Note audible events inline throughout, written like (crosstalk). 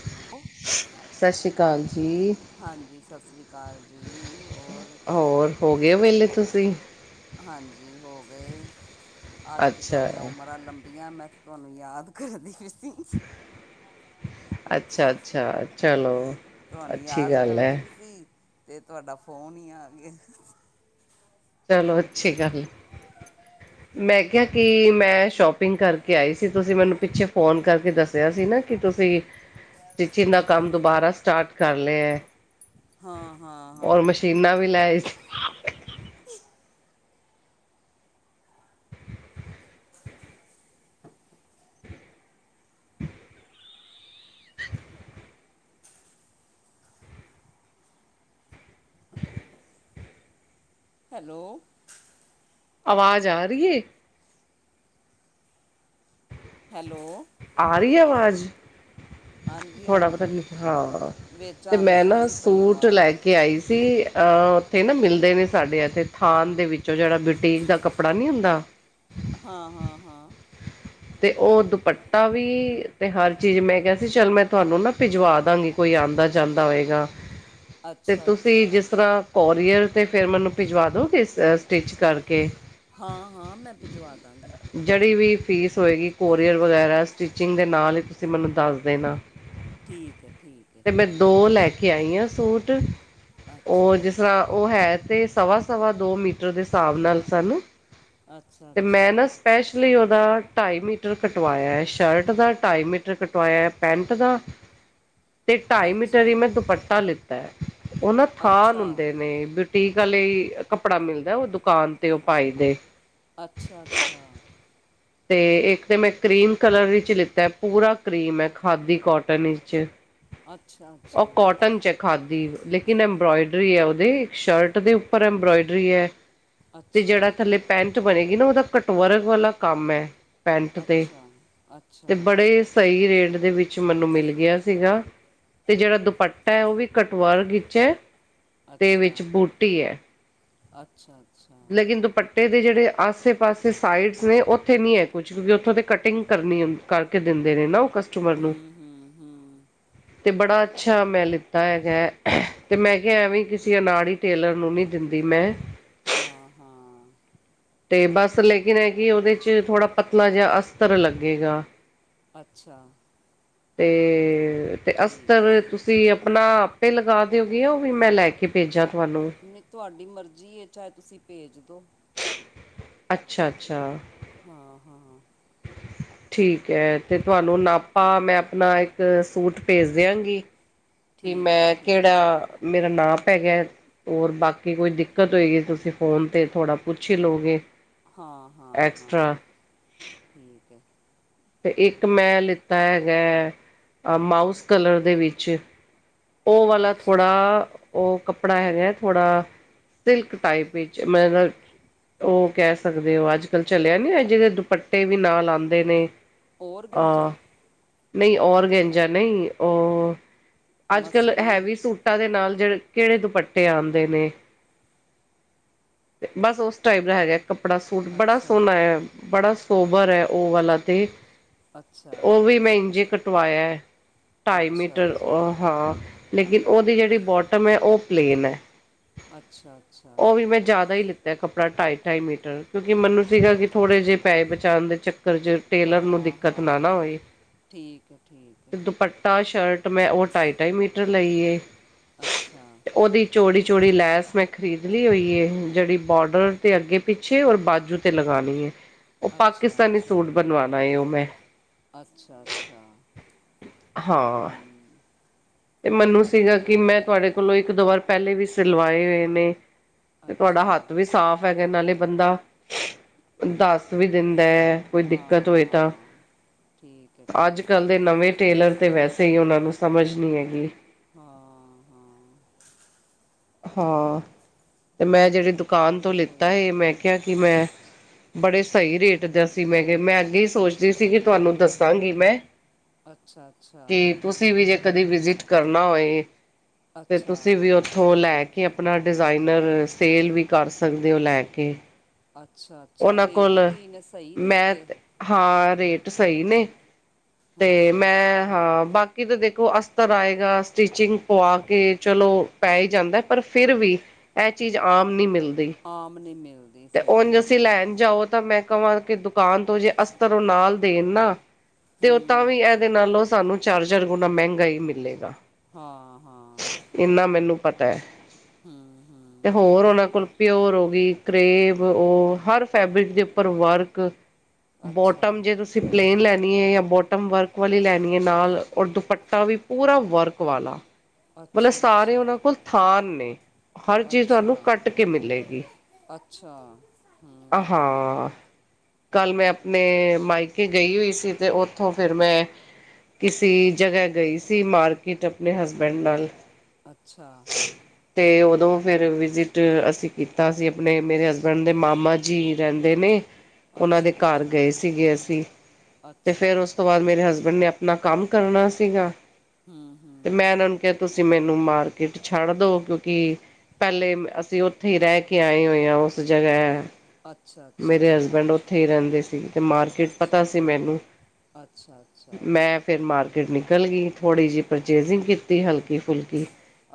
(unintelligible) ਸਤਿ ਸ਼੍ਰੀ ਅਕਾਲ ਜੀ। ਹਾਂਜੀ, ਸਤਿ ਸ਼੍ਰੀ ਅਕਾਲ ਜੀ ਹੋਰ ਹੋਰ ਹੋ ਗਏ ਵੇਲੇ ਤੁਸੀਂ ਹਾਂਜੀ ਹੋ ਗਏ, ਅੱਜ ਤੇ ਅੱਛਾ, ਤੁਹਾਡੀਆਂ ਉਮਰਾਂ ਲੰਬੀਆਂ ਮੈਂ ਤੁਹਾਨੂੰ ਯਾਦ ਕਰਦੇ (unintelligible) ਅੱਛਾ-ਅੱਛਾ ਚਲੋ ਤੁਹਾਨੂੰ ਅੱਛੀ ਯਾਦ ਗੱਲ ਐ, ਕਰਦੀ ਵੀ ਸੀ, ਤੇ ਤੁਹਾਡਾ ਫੋਨ ਹੀ ਆ ਗਿਆ। ਚਲੋ, ਅੱਛੀ ਗੱਲ ਹੈ। (unintelligible) ਮੈਂ ਕਿਹਾ, ਕਿ ਮੈਂ ਸ਼ੋਪਿੰਗ ਕਰਕੇ ਆਈ ਸੀ, ਤੁਸੀਂ ਮੈਨੂੰ ਪਿੱਛੇ ਫ਼ੋਨ ਕਰਕੇ ਦੱਸਿਆ ਸੀ ਨਾ। ਕਿ, ਤੁਸੀਂ ਸਟਿਚਿੰਗ ਦਾ ਕੰਮ ਦੁਬਾਰਾ ਸਟਾਰਟ ਕਰ ਲਿਆ ਹੈ। ਹਾਂ ਹਾਂ ਔਰ, ਹਾਂ ਮਸ਼ੀਨਾਂ ਵੀ ਲੈ (unintelligible) ਹੈਲੋ ਆਵਾਜ਼ ਆ ਰੀ ਏ? ਹੈਲੋ ਆ ਰਹੀ ਆਵਾਜ਼? ਹਾਂਜੀ ਥੋੜਾ ਪਤਾ ਹਾਂਜੀ ਹਾਂ ਵਿੱਚ ਤੇ ਮੈਂ ਆਉਂਦੀ ਨਹੀਂ ਨਾ ਸੀ ਪਈ ਸੂਟ ਆਵਾਜ਼ ਲੈ ਕੇ ਕੇ ਆਈ ਸੀ--ਓਥੇ ਨਾ ਮਿਲਦੇ ਨੇ ਸਾਡੇ ਇੱਥੇ ਥਾਨ ਦੇ ਵਿੱਚੋਂ ਜਿਹੜਾ, ਬਊਟੀਕ ਦਾ ਕੱਪੜਾ ਨਹੀਂ ਹੁੰਦਾ ਹਾਂ, ਹਾਂ, ਹਾਂ ਤੇ ਉਹ ਦੁਪੱਟਾ ਵੀ ਤੇ ਹਰ ਚੀਜ਼ ਮੈਂ ਕਿਹਾ ਸੀ ਚੱਲ ਮੈਂ ਤੁਹਾਨੂੰ ਨਾ ਭਿਜਵਾ ਦਾਂਗੀ। ਕੋਈ ਆਉਂਦਾ ਜਾਂਦਾ ਹੋਏਗਾ। (unintelligible) ਤੇ ਤੁਸੀਂ, ਅੱਛਾ ਜਿਸ ਤਰ੍ਹਾਂ ਕੋਰੀਅਰ ਤੇ ਫਿਰ ਮੈਨੂੰ ਭਿਜਵਾ ਦੋਗੇ? ਸਟਿਚ ਕਰਕੇ ਹਾਂ-ਹਾਂ, ਮੈਂ ਭਿਜਵਾ ਦਾਂਗੀ। ਜਿਹੜੀ ਵੀ ਪੀਸ ਹੋਏਗੀ, ਕੋਰੀਅਰ ਵਗੈਰਾ, ਸਟਿਚਿੰਗ ਦੇ ਨਾਲ ਹੀ ਤੁਸੀਂ ਮੈਨੂੰ ਦੱਸ ਦੇਣਾ। ਠੀਕ ਹੈ, ਠੀਕ ਹੈ। ਤੇ ਮੈਂ- ਦੋ ਲੈ ਕੇ ਆਈ ਹਾਂ ਸੂਟ, ਓਹ ਅੱਛਾ ਜਿਸ ਤਰ੍ਹਾਂ ਓਹ ਹੈ ਤੇ, ਸਵਾ- ਸਵਾ ਦੋ ਮੀਟਰ ਦੇ ਹਿਸਾਬ ਨਾਲ ਸਣ, ਅੱਛਾ ਤੇ ਮੈਂ ਅੱਛਾ ਨਾ ਸਪੈਸ਼ਲੀ ਉਹਦਾ ਢਾਈ ਮੀਟਰ ਕਟਵਾਇਆ ਹੈ ਸ਼ਰਟ ਦਾ। ਢਾਈ ਮੀਟਰ ਕਟਵਾਇਆ ਹੈ ਪੈਂਟ ਦਾ। ਤੇ ਢਾਈ ਮੀਟਰ ਅੱਛਾ ਹੀ ਮੈਂ ਦੁਪੱਟਾ ਲਿੱਤਾ ਹੈ ਉਹ ਨਾ ਥਾਨ ਅੱਛਾ ਹੁੰਦੇ ਨੇ। ਟੀਕ ਵਾਲੇ ਕੱਪੜਾ ਮਿਲਦਾ ਉਹ ਦੁਕਾਨ ਤੇ ਉਹ ਪਾਈ ਦੇ ਅੱਛਾ, ਅੱਛਾ। ਤੇ ਇੱਕ ਤੇ ਮੈਂ ਕਰੀਮ ਕਲਰ ਵਿੱਚ ਲਿੱਤਾ ਪੂਰਾ ਕਰੀਮ ਹੈ ਖਾਦੀ ਕੋਟਨ ਵਿੱਚ। ਅੱਛਾ ਉਹ ਕੋਟਨ ਚੈੱਕ ਖਾਦੀ ਲੇਕਿਨ ਅੰਬਰੋਇਡਰੀ ਹੈ। ਉਹਦੇ ਸ਼ਰਟ ਦੇ ਉੱਪਰ ਅੰਬੋਇਡਰੀ ਹੈ। ਤੇ ਅੱਛਾ ਜਿਹੜਾ ਥੱਲੇ ਪੈਂਚ ਬਣੇਗੀ ਨਾ ਉਹਦਾ ਕੱਟਵਰਗ ਵਾਲਾ ਕੰਮ ਹੈ। ਪੈਂਟ ਅੱਛਾ ਤੇ ਅੱਛਾ ਤੇ ਅੱਛਾ ਬੜੇ ਸਹੀ ਰੇਟ ਦੇ ਵਿੱਚ ਮੈਨੂੰ ਮਿਲ ਗਿਆ ਸੀਗਾ। ਤੇ ਜਿਹੜਾ ਦੁਪੱਟਾ ਹੈ। ਉਹ ਵੀ ਕਟਵਰ ਵਿੱਚ ਹੈ। ਤੇ ਅੱਛਾ ਵਿੱਚ ਬੂਟੀ ਹੈ ਅੱਛਾ, ਅੱਛਾ। ਲੇਕਿਨ ਦੁਪੱਟੇ ਦੇ ਜਿਹੜੇ ਆਸੇ ਪਾਸੇ ਸਾਈਡਸ ਨੇ ਉੱਥੇ ਨਹੀਂ ਹੈ ਕੁਝ ਕਿਉਂਕਿ ਉੱਥੋਂ ਦੀ ਕਟਿੰਗ ਕਰਨੀ ਹੁੰਦੀ ਕਰਕੇ ਦਿੰਦੇ ਨੇ ਨਾ ਉਹ ਕਸਟਮਰ ਨੂੰ। ਹੂੰ ਹੂੰ ਹੂੰ ਅਤੇ ਬੜਾ ਅੱਛਾ ਮੈਂ ਲਿੱਤਾ ਹੈਗਾ ਅਤੇ ਮੈਂ ਕਿਹਾ ਐਵੇਂ ਕਿਸੇ ਅਨਾੜੀ ਟੇਲਰ ਨੂੰ ਨਹੀਂ ਦਿੰਦੀ ਮੈਂ। ਹਾਂ, ਹਾਂ। ਤੇ ਬਸ ਲੇਕਿਨ ਹੈ ਕਿ ਉਹਦੇ ਚ ਥੋੜ੍ਹਾ ਪਤਲਾ ਜਿਹਾ ਅਸਤਰ ਲੱਗੇਗਾ। ਅੱਛਾ। ਤੇ ਤੇ ਠੀਕ ਹੈ ਅਸਤਰ ਤੁ ਤੁਸੀਂ ਆਪਣਾ ਆਪੇ ਲਗਾ ਦਿਓਗੇ ਉਹ ਵੀ ਮੈਂ ਲੈ ਕੇ ਭੇਜਾਂ ਤੁਹਾਨੂੰ। ਨਹੀਂ ਤੁਹਾਡੀ ਮਰਜ਼ੀ ਚਾਹੇ ਤੁਸੀਂ ਭੇਜ ਦਿੋਉ। ਅੱਛਾ, ਅੱਛਾ। ਹਾਂ, ਹਾਂ, ਹਾਂ। ਠੀਕ ਹੈ। ਅਤੇ ਤੁਹਾਨੂੰ ਨਾਪਾ ਮੈਂ ਆਪਣਾ ਇੱਕ ਸੂਟ ਭੇਜ ਦਿਆਂਗੀ। ਕਿ ਠੀਕ ਹੈ ਮੈਂ ਠੀਕ ਹੈ ਕਿਹੜਾ ਮੇਰਾ ਨਾ ਪੈ ਗਿਆ। ਹੋਰ ਬਾਕੀ ਕੋਈ ਦਿੱਕਤ ਹੋਗੀਈ ਤੁਸੀਂ ਫੋਨ 'ਤੇ ਥੋੜ੍ਹਾ ਪੁੱਛੀ ਲਓਗੇ। ਹਾਂ ਹਾਂ ਐਕਸਟਰਾ ਹਾਂ ਠੀਕ ਹੈ। ਅਤੇ ਇੱਕ ਮੈਂ ਲਿੱਤਾ ਹੈਗਾ ਮਾਊਸ ਕਲਰ ਦੇ ਵਿੱਚ ਉਹ ਵਾਲਾ ਅੱਛਾ ਥੋੜਾ ਉਹ ਕੱਪੜਾ ਹੈਗਾ, ਥੋੜ੍ਹਾ ਸਿਲਕ ਟਾਈਪ ਵਿੱਚ ਮਤਲਬ ਉਹ ਕਹਿ ਸਕਦੇ ਹੋ ਅੱਜ-ਕੱਲ ਚਲਿਆ ਨੀ ਜਿਹਦੇ ਦੁਪੱਟੇ ਵੀ ਨਾਲ ਆਦੇ ਨੇ ਔਰ ਗੰਜਾ ਆਹ, ਨਹੀਂ ਔਰਗੈਂਜਾ ਨਹੀਂ ਉਹ ਅੱਜ-ਕੱਲ ਮਸਲੀਮ ਹੈਵੀ ਸੂਟਾਂ ਦੇ ਨਾਲ ਜਹ ਕਿਹੜੇ ਦੁਪੱਟੇ ਆਦੇ ਨੇ, ਤੇ ਬਸ ਉਸ ਟਾਈਪ ਦਾ ਹੈਗਾ, ਕੱਪੜਾ ਸੂਟ ਬੜਾ ਅੱਛਾ ਸੋਹਣਾ ਹੈ, ਬੜਾ ਸੋਬਰ ਹੈ ਉਹ ਵਾਲਾ ਤੇ ਅੱਛਾ ਉਹ ਵੀ ਮੈਂ ਇੰਝੇ ਕਟਵਾਇਆ ਢਾਈ ਅੱਛਾ ਮੀਟਰ ਅੱਛਾ ਉਹ ਹਾਂ ਲੇਕਿਨ ਉਹਦੀ ਜਿਹੜੀ ਬੋਟਮ ਹੈ, ਉਹ ਪਲੇਨ ਹੈ। ਅੱਛਾ ਅੱਛਾ ਉਹ ਵੀ ਮੈਂ ਜ਼ਿਆਦਾ ਹੀ ਲਿੱਤਾ। ਅਤੇ ਕੱਪੜਾ ਢਾਈ-ਢਾਈ ਮੀਟਰ ਕਿਉਂਕਿ, ਮੈਨੂੰ ਸੀਗਾ ਕਿ ਥੋੜ੍ਹੇ ਜਿਹੇ ਪੈ ਬਚਾਣ ਦੇ ਚੱਕਰ 'ਚ ਟੇਲਰ ਨੂੰ ਹਾਂ ਦਿੱਕਤ ਨਾ ਹਾਂ ਨਾ ਹੋਈ, ਠੀਕ ਹੈ ਠੀਕ ਹੈ ਤੇ ਦੁਪਟ ਟਾ ਸ਼ਰਟ ਮੈਂ ਉਹ ਢਾਈ-ਢਾਈ ਮੀਟਰ ਮੀਟਰ ਲੇਈ ਆ। ਅੱਛਾ, ਉਹਦੀ ਚੌੜੀ-ਚੌੜੀ ਲੈਸ ਮੈਂ ਖਰੀਦ ਲਈ ਹੋਈ ਹੈ ਜਿਹੜੀ ਬੋਡਰ 'ਤੇ ਅੱਗੇ। ਪਿੱਛੇ ਔਰ ਬਾਜੂ ਤੇ ਲਗਾਉਣੀ ਹੈ ਉਹ ਅੱਛਾ ਪਾਕਿਸਤਾਨੀ ਅੱਛਾ ਸੂਟ ਬਣਵਾਉਣਾ ਹੈ ਉਹ ਮੈਂ। ਅੱਛਾ, ਅੱਛਾ ਹ ਹਾਂ ਤੇ ਮੈਨੂੰ ਸੀਗਾ ਕਿ ਮੈਂ ਤੁਹਾਡੇ ਕੋਲੋਂ ਇੱਕ ਦੋ ਵਾਰ ਪਹਿਲੇ ਵੀ ਸਿਲਵਾਏ ਹੋਏ ਨੇ। ਤੇ ਤੁਹਾਡਾ ਅੱਛਾ ਹੱਥ ਵੀ ਸਾਫ਼ ਹੈਗਾ ਇਹ ਨਾਲ ਹੀ ਬੰਦਾ ਦੱਸ ਵੀ ਦਿੰਦਾ ਹੈ। ਕੋਈ ਦਿੱਕਤ ਹਾਂ ਹੋਏ ਤਾਂ ਹਾਂ ਠੀਕ ਹੈ ਅੱਜ, ਠੀਕ ਹੈ ਕੱਲ ਦੇ ਨਵੇਂ ਟੇਲਰ ਤੇ ਵੈਸੇ ਹੀ ਉਹਨਾਂ ਨੂੰ ਸਮਝ ਨਹੀਂ ਹੈਗੀ। ਹਾਂ। ਹਾਂ ਹਾਂ, ਤੇ ਮੈਂ ਜਿਹੜੀ ਦੁਕਾਨ ਤੋਂ ਚਲੋ ਕੋਈ ਲਿੱਤਾ ਹੈ ਨਹੀਂ ਮੈਂ ਕਿਹਾ ਕਿ ਮੈਂ ਬੜੇ ਸਹੀ ਰੇਟ ਦਾ ਸੀ, ਮੈਂ ਕਿਹਾ ਮੈਂ ਅੱਗੇ ਹੀ ਸੋਚਦੀ ਸੀਗੀ ਤੁਹਾਨੂੰ ਦੱਸਾਂਗੀ ਮੈਂ ਅੱਛਾ-ਅੱਛਾ, ਕਿ ਤੁਸੀਂ ਵੀ ਜੇ ਕਦੇ ਵਿਜਿਟ ਕਰਨਾ ਹੋਏ, ਤੇ ਅੱਛਾ ਤੁਸੀਂ ਵੀ ਉੱਥੋਂ ਲੈ ਕੇ ਕਿ ਆਪਣਾ ਡਿਜ਼ਾਇਨਰ ਸੇਲ ਵੀ ਕਰ ਸਕਦੇ ਹੋ ਲੈ ਕੇ, ਅੱਛਾ-ਅੱਛਾ, ਉਹਨਾਂ ਰੇਟ ਕੋਲ ਕੀ ਨੇ ਸਹੀ ਰੇਟ ਮੈਂ ਹਾਂ ਰੇਟ ਸਹੀ ਨੇ, ਤੇ ਹਾਂ ਮੈਂ ਹਾਂ ਬਾਕੀ। ਕਿਤੇ ਦੇਖੋ ਅਸਤਰ ਆਏਗਾ, ਸਟੀਚਿੰਗ ਪਵਾ ਕੇ ਚਲੋ। ਪੈ ਹੀ ਜਾਂਦਾ, ਪਰ ਫਿਰ ਵੀ ਇਹ ਚੀਜ਼ ਆਮ ਨਹੀਂ ਮਿਲਦੀ। ਆਮ ਨੀ ਮਿਲਦੇ। ਤੇ ਉਝ ਅਸੀਂ ਲੈਣ ਜਾਓ, ਤਾਂ ਮੈਂ ਕਹਾਂ ਕਿ ਦੁਕਾਨ ਤੋਂ ਜੇ ਅਸਤਰ ਉਹ ਨਾਲ ਦੇਣ ਨਾ ਤੇ ਉਹ ਤਾਂ ਹੂੰ ਵੀ ਇਹਦੇ, ਨਾਲੋਂ ਸਾਨੂੰ ਚਾਰਜਰ ਗੁਣਾ ਮਹਿੰਗਾ ਹੀ ਮਿਲੇਗਾ। ਹਾਂ-ਹਾਂ, ਇੰਨਾ ਮੈਨੂੰ ਪਤਾ ਹੈ, ਤੇ ਹੂੰ ਹੋਰ ਉਹਨਾਂ ਕੋਲ ਪਿਓਰ ਹੋ ਗਈ। ਕਰੇਬ ਉਹ ਹਰ ਫੈਬਰਿਕ ਦੇ ਉੱਪਰ ਵਰਕ ਅੱਛਾ ਬੋਟਮ ਜੇ ਤੁਸੀਂ ਅਸੀਂ ਪਲੇਨ ਲੈਣੀ ਐ, ਜਾਂ ਬੋਟਮ ਵਰਕ ਵਾਲੀ ਲੈਣੀ ਹੈ, ਨਾਲ ਔਰ ਦੁਪੱਟਾ ਵੀ ਪੂਰਾ ਵਰਕ ਵਾਲਾ (unintelligible) ਮਤਲਬ ਸਾਰੇ ਅੱਛਾ ਉਹਨਾਂ ਕੋਲ ਥਾਨ ਨੇ ਹਰ ਚੀਜ਼ ਅੱਛਾ ਤੁਹਾਨੂੰ ਕੱਟ ਕੇ ਮਿਲੇਗੀ। ਅੱਛਾ ਹੂੰ,, ਆਹ ਹੋ ਕੱਲ ਮੈਂ ਆਪਣੇ ਮਾਇਕੇ ਗਈ ਹੋਈ ਸੀ, ਤੇ ਉੱਥੋਂ ਫਿਰ ਮੈਂ ਕਿਸੇ ਜਗ੍ਹਾ ਗਈ ਸੀ, ਮਾਰਕੀਟ ਆਪਣੇ ਹਸਬੈਂਡ ਨਾਲ ਅੱਛਾ, ਤੇ ਉਦੋਂ ਫੇਰ ਵਿਜਿਟ ਅਸੀਂ ਕੀਤਾ ਸੀ। ਆਪਣੇ ਮੇਰੇ ਹਸਬੈਂਡ ਦੇ ਮਾਮਾ ਜੀ ਰਹਿੰਦੇ ਨੇ, ਉਹਨਾਂ ਦੇ ਅੱਛਾ ਘਰ ਅੱਛਾ ਗਏ ਸੀਗੇ, ਅਸੀਂ ਤੇ ਅੱਛਾ ਫੇਰ ਉਸ ਤੋਂ ਬਾਅਦ ਮੇਰੇ ਹਸਬ ਨੇ ਆਪਣਾ ਕੰਮ ਕਰਨਾ ਸੀਗਾ। ਹੂੰ-ਹੂੰ, ਅਤੇ ਮੈਂ ਉਹਨਾਂ ਨੂੰ ਕਿਹਾ ਤੁਸੀਂ ਮੈਨੂੰ ਮਾਰਕੀਟ ਛੱਡ ਦਿਉ, ਕਿਉਂਕਿ ਪਹਿਲੇ ਅਸੀਂ ਉ ਉੱਥੇ ਰਹਿ ਕੇ ਆਏ ਹੋਏ ਆ, ਉਸ ਜਗ੍ਹਾ ਅੱਛਾ ਅੱਛਾ ਮੇਰੇ ਹਸਬੈਂਡ ਉੱਥੇ ਹੀ ਰਹਿੰਦੇ ਸੀ। ਅਤੇ ਮਾਰਕੀਟ ਪਤਾ ਅੱਛਾ ਸੀ, ਮੈਨੂੰ ਅੱਛਾ ਅੱਛਾ ਮੈਂ ਫਿਰ ਮਾਰਕੀਟ ਨਿਕਲ ਗਈ। ਥੋੜ੍ਹੀ ਜਿਹੀ ਅੱਛ- ਪਰਚੇਜਿੰਗ ਕੀਤੀ, ਹਲਕੀ ਫੁਲਕੀ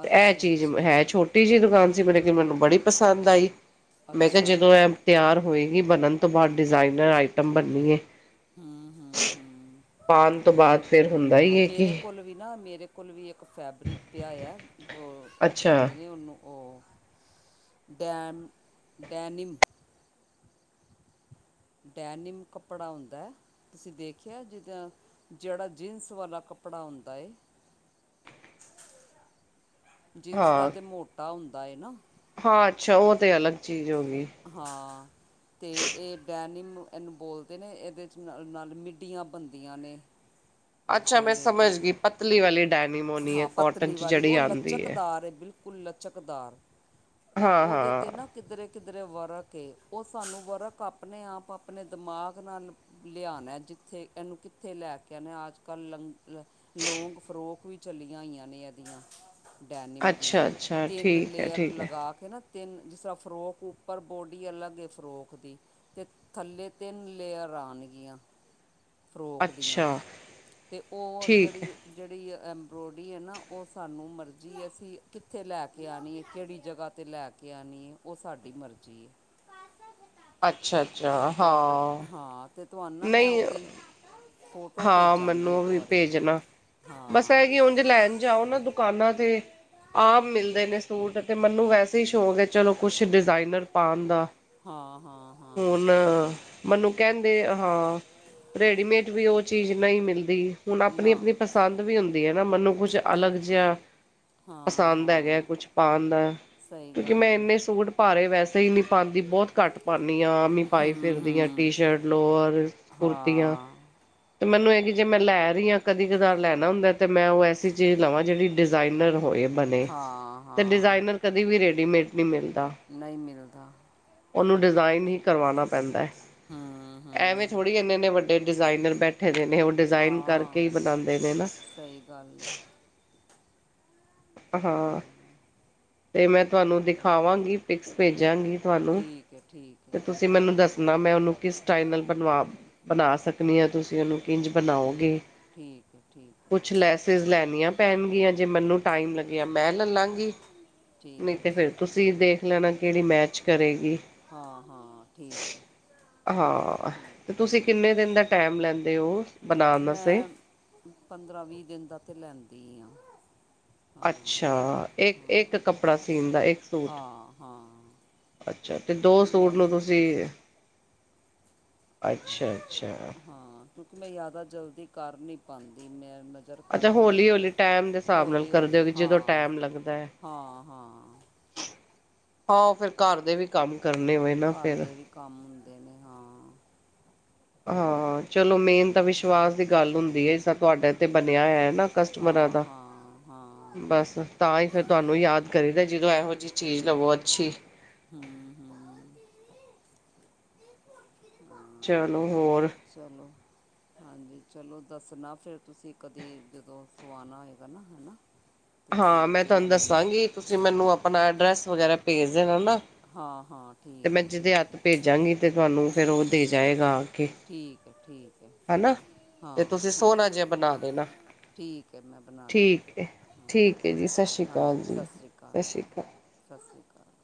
ਤੇ ਇਹ ਅੱਛਾ ਚੀਜ਼ ਅੱਛਾ ਹੈ ਛੋਟੀ ਜਹੀ ਦੁਕਾਨ ਸੀ, ਮੇਰੇ ਕਿ ਮੈਨੂੰ ਬੜੀ ਪਸੰਦ ਆਈ। ਮੈਂ ਕਿਹਾ ਅੱਛਾ ਜਦੋਂ ਇਹ ਤਿਆਰ ਹੋਏਗੀ, ਬਣਨ ਤੋਂ ਬਾਅਦ ਡਿਜ਼ਾਇਨਰ ਆਈਟਮ ਬਨੀਏ। ਹੂੰ-ਹੂੰ-ਹੂੰ, ਤੋਂ ਬਾਅਦ ਫੇਰ ਹੁੰਦਾ ਹਾਂ ਹੀ ਹੈ ਮੇਰੇ ਕਿ ਕੋਲ ਵੀ ਨਾ ਮੇਰੇ ਕੋਲ ਵੀ ਇੱਕ ਫੈਬਰਿਕ ਪਿਆ, ਆ ਜੋ ਉਹ ਅੱਛਾ ਕਹਿੰਦੇ ਨੇ ਉਹਨੂੰ ਉਹ ਡੈਮ ਡੈਨੀਮ ਡੈਨਮ ਕੱਪੜਾ ਹੁੰਦਾ ਹੈ। ਤੁਸੀਂ ਦੇਖਿਆ ਜਿੱਦਾਂ, ਜਿਹੜਾ ਜੀਨਸ ਵਾਲਾ ਕੱਪੜਾ ਹੁੰਦਾ ਏ। ਜੀਨਸ ਦਾ ਹਾਂ ਤਾਂ ਮੋਟਾ ਹੁੰਦਾ ਏ ਨਾ, ਹਾਂ ਅੱਛਾ, ਉਹ ਤੇ ਅਲੱਗ ਚੀਜ਼ ਹੋ ਗਈ। ਹਾਂ, ਤੇ ਇਹ ਡੈਨਿਮ ਇਹਨੂੰ ਬੋਲਦੇ ਨੇ, ਇਹਦੇ 'ਚ ਨਾਲ ਮਿੱਡੀਆਂ ਬਣਦੀਆਂ ਨੇ, ਜ ਅੱਛਾ ਮੈਂ ਸਮਝ ਲੇਡੀਜ਼ ਗਈ ਪਤਲੀ ਵਾਲੀ ਡੈਨੀਮ ਹੋਣੀ ਹੈ ਹਾਂ, ਕੋਟਨ ਪਤਲੀ ਚ ਵਾਲੀ ਜਿਹੜੀ ਉਹ ਆਉਂਦੀ ਹੈ ਲਚਕਦਾਰ ਬਿਲਕੁਲ ਕੁੱਲ ਲਚਕਦਾਰ ਔਰ ਹਾਂ ਉਹਦੇ 'ਤੇ ਹਾਂ ਨਾ, ਕਿੱਧਰੇ-ਕਿੱਧਰੇ ਵਰਕ ਏ ਉਹ ਸਾਨੂੰ ਵਰਕ ਆਪਣੇ ਆਪ ਆਪਣੇ ਦਿਮਾਗ ਨਾਲ ਲਿਆਣਾ, ਜਿੱਥੇ ਇਹਨੂੰ ਕਿੱਥੇ ਲੈ ਕੇ ਇਹਨੇ ਆ ਕ ਲੰਗ ਲੌਂਗ ਫਰੋਕ ਵੀ ਚੱਲੀਆਂ ਹੋਈਆਂ ਨੇ ਇਹਦੀਆਂ ਡੈਨਿਮ ਦੀਆਂ ਅੱਛਾ ਅੱਛਾ ਤਿੰਨ ਠੀਕ ਹੈ ਲੇਅਰ ਠੀਕ ਹੈ ਲਗਾ ਨਾ ਤਿੰਨ ਜਿਸ ਤਰਾ ਫਰੋਕ ਉੱਪਰ ਬੋਡੀ ਅਲੱਗ ਏ ਫਰੋਕ ਦੀ ਤੇ ਥੱਲੇ ਤਿੰਨ ਲੇਅਰ ਆਣਗੀਆਂ ਫਰੋਕ ਦੀਆਂ ਅੱਛਾ ਤੇ ਉਹ ਠੀਕ ਹੈ ਜਿਹੜੀ ਜਿਹੜੀ ਐੰਬਰੋਇਡਰੀ ਹੈ ਨਾ ਉਹ ਸਾਨੂੰ ਮਰਜ਼ੀ ਅਸੀਂ ਕਿੱਥੇ ਲੈ ਕੇ ਆਣੀ ਹੈ ਕਿਹੜੀ ਜਗ੍ਹਾ ਤੇ ਲੈ ਕੇ ਆਣੀ ਐ ਉਹ ਸਾਡੀ ਮਰਜ਼ੀ ਏ। ਅੱਛਾ ਅੱਛਾ ਹਾਂ ਤੇ ਤੁਹਾਨਾ ਮੈਂ ਨਹੀਂ ਉਹਦੇ ਹਾਂ ਮੈਨੂੰ ਉਹ ਵੀ ਪੇਜਣਾ ਬਸ ਐ ਹਾਂ ਹੇ ਕਿ ਉਂਝ ਲੈਣ ਜਾਓ ਨਾ ਦੁਕਾਨਾਂ ਤੇ ਆਮ ਮਿਲਦੇ ਨੇ ਸੂਟ ਤੇ ਮੈਨੂੰ ਵੈਸੇ ਹੀ ਸ਼ੌਕ ਹੈ ਚਲੋ ਕੁਛ ਡਿਜ਼ਾਇਨਰ ਪਾਣ ਦਾ ਹਾਂ ਹਾਂ ਹਾਂ ਹੁਣ ਮੈਨੂੰ ਕਹਿੰਦੇ ਹਾਂ ਰੇਡੀਮੇਡ ਵੀ ਉਹ ਚੀਜ਼ ਨਹੀਂ ਮਿਲਦੀ ਹੁਣ ਆਪਣੀ ਨਾ ਆਪਣੀ ਪਸੰਦ ਵੀ ਹੁੰਦੀ ਏ ਨਾ ਮੈਨੂੰ ਕੁਛ ਅਲੱਗ ਜਿਹਾ ਹਾਂ ਪਸੰਦ ਹੈਗਾ ਹਾਂ ਕੁਛ ਪਾਣ ਦਾ ਸਹੀ ਕਿਉਂਕਿ ਮੈਂ ਗੱਲ ਹੈ ਇੰਨੇ ਸੂਟ ਪਾਾਰੇ ਵੈਸੇ ਈ ਨਹੀਂ ਪਾਂਦੀ ਬਹੁਤ ਘੱਟ ਪਾਂਨੀ ਆ ਮੀਂ ਪਾਈ ਹੂੰ ਫਿਰਦੀ ਹਾਂ ਟੀ ਹੂੰ ਸ਼ਰਟ ਲੋਰ, ਕੁੁਰਤੀਆਂ ਹਾਂ ਤੇ ਮੈਨੂੰ ਇਹ ਐ ਜੇ ਮੈਂ ਲੈ ਰਹੀ ਆ ਕਦੀ ਕਦਾਰ ਲੈਣਾ ਹੁੰਦਾ ਤੇ ਮੈਂ ਉਹ ਐਸੀ ਚੀਜ਼ ਲਵਾਂ ਜਿਹੜੀ ਡਿਜ਼ਾਇਨਰ ਹੋਏ। ਬਣੇ ਹਾਂ ਤੇ ਹਾਂ ਡਿਜ਼ਾਇਨਰ ਕਦੇ ਵੀ ਰੇਡੀਮੇਡ ਨਈ ਮਿਲਦਾ। ਨਹੀ ਮਿਲਦਾ ਉਹਨੂੰ ਡਿਜ਼ਾਇਨ ਹੀ ਕਰਵਾਉਣਾ ਪੈਂਦਾ ਹੈ ਹੂੰ ਐਵੇਂ ਹੂੰ ਥੋੜ੍ਹੀ ਇੰਨੇ ਇੰਨੇ ਵੱਡੇ ਜਿਹੜੇ ਡਿਜ਼ਾਇਨਰ ਬੈਠੇ ਦੇ ਨੇ ਉਹ ਡਿਜ਼ਾਇਨ ਕਰਕੇ ਹਾਂ ਹੀ ਬਣਾਦੇ ਨੇ ਨਾ ਸਹੀ ਗੱਲ ਹੈ ਹਾਂ ਤੇ ਮੈਂ ਤੁਹਾਨੂੰ ਚਲੋ ਦਿਖਾਵਾਂਗੀ ਪਿਕਸ ਪੇਜਾਂਗੀ ਤੁਹਾਨੂੰ ਕੇ ਠੀਕ ਹੈ ਤੇ ਤੁਸੀਂ ਭੇਜਣਾ ਮੈਨੂੰ ਦੱਸ ਨਾ ਮੈਂ ਉਹਨੂੰ ਕਿਸ ਸਟਾਈਲ ਨਾਲ ਬਣਵਾ ਬਣਾ ਸਕਣੀ ਹਾਂ ਤੁਸੀਂ ਉਹਨੂੰ ਕਿੰਝ ਬਣਾਓਗੇ? ਠੀਕ ਹੈ ਠੀਕ ਕੁਛ ਹੈ ਲੈਸਿਸ ਲੈਣੀਆਂ ਪੈਣਗੀਆਂ ਜੇ ਮੈਨੂੰ ਟਾਈਮ ਲੱਗਿਆ ਮੈਂ ਲੈੱਲਾਂਗੀ। ਠੀਕ ਹੈ ਤੁਸੀਂ ਦੇਖ ਲੈਣਾ ਕਿਹੜੀ ਮੈਚ ਕਰੇਗੀ। ਹਾਂ ਹਾਂ ਠੀਕ ਹੈ ਹਾਂ ਤੇ ਠੀਕ ਹੈ ਤੁਸੀਂ ਠੀਕ ਕਿੰਨੇ ਦਿਨ ਦਾ ਟੈਮ ਲੈਂਦੇ ਓ? ਮੈਂ ਪੰਦਰਾਂ ਵੀਹ ਦਿਨ ਦਾ ਤਾਂ ਲੈਂਦੀ ਆ ਹਾਂ ਅੱਛਾ ਇੱਕ ਹਾਂ ਇੱਕ ਕੱਪੜਾ ਸੀਣ ਦਾ ਇੱਕ ਸੂਟ, ਹਾਂ ਹਾਂ ਅੱਛਾ ਅਤੇ ਦੋ ਕਿਉਂਕਿ ਸੂਟ ਮੈਂ ਲਓ ਤੁਸੀਂ। ਜੀ ਅੱਛਾ ਅੱਛਾ। ਹਾਂ ਕਿਉਂਕਿ ਮੈਂ ਜ਼ਿਆਦਾ ਜਲਦੀ ਕਰ ਨੀ ਪਾਉਂਦੀ ਮੈਂ ਰ ਅੱਛਾ ਕਰਕੇ ਨਾ ਹੌਲੀ ਹੌਲੀ ਟਾਈਮ ਦੇ ਹਿਸਾਬ ਨਾਲ ਹੋੌਲੀ ਕਰਦੇ ਹੌਲੀ ਹੋ ਜਦੋਂ ਹਾਂ ਹਾਂ ਹਾਂ ਹੋ ਫਿਰ ਘਰ ਦੇ ਵੀ ਕੰਮ ਕਰਨੇ ਹੋਏ ਨਾ ਘਰ ਫੇਰ ਦੇ ਵੀ ਕੰਮ ਹੁੰਦੇ ਨੇ ਹਾਂ, ਹਾਂ ਚਲੋ ਮੇਨ ਤੇ ਤਾਂ ਵਿਸ਼ਵਾਸ ਦੀ ਹਾਂ ਗੱਲ ਹੁੰਦੀ ਹੈ। ਇਸ ਤੁਹਾਡੇ ਤੇ ਬਣਿਆ ਹੋਇਆ ਨਾ ਕਸਟਮਰਾਂ ਹਾਂ ਦਾ ਹਾਂ ਹਾਂ ਬਸ ਤਾਂ ਹੀ ਫਿਰ ਤੁਹਾਨੂੰ ਯਾਦ ਕਰੀਦਾ, ਜਦੋਂ ਇਹੋ ਜਿਹੀ ਚੀਜ਼ ਲਵੋ ਅੱਛੀ। ਹਮ ਹਮ ਹਾਂ ਚਲੋ ਹੋਰ ਚਲੋ ਹਾਂਜੀ ਚਲੋ ਦੱਸਣਾ ਫਿਰ ਤੁਸੀਂ ਕਦੀ ਜਦੋਂ ਸਵਾਉਣਾ ਹੋਏਗਾ ਨਾ ਹੈ ਨਾ (inaudible) ਹਾਂ ਮੈਂ ਤੁਹਾਨੂੰ ਦੱਸਾਂਗੀ ਤੁਸੀਂ ਮੈਨੂੰ ਆਪਣਾ ਐਡਰੈਸ ਵਗੈਰਾ ਭੇਜ ਦੇਣਾ ਨਾ, ਹਾਂ ਹਾਂ ਤੇ ਠੀਕ ਮੈਂ ਹੈ ਜਿਹਦੇ ਹੱਥ ਠੀਕ ਹੈ ਭੇਜ ਭੇਜਾਂਗੀ, ਤੇ ਤੁਹਾਨੂੰ ਫੇਰ ਉਹ ਤੇ ਜਾਏਗਾ। ਠੀਕ ਹੈ ਠੀਕ ਹੈ ਹੈਨਾ, ਤੇ ਹਾਂ ਤੁਸੀਂ ਠੀਕ ਸੋਹਣਾ ਜਿਹਾ ਬਣਾ ਦੇਣਾ। ਠੀਕ ਹੈ, ਮੈਂ ਬਣਾ ਠੀਕ ਏ। ਦਾਂਗੀ, ਹਾਂ ਠੀਕ ਹੈ ਜੀ ਸਤਿ ਸ਼੍ਰੀ ਹਾਂਜੀ ਅਕਾਲ ਜੀ ਸਤਿ ਸ਼੍ਰੀ ਅਕਾਲ ਠੀਕ। ਅਕਾਲ। ਸਤਿ ਸ਼੍ਰੀ ਅਕਾਲ।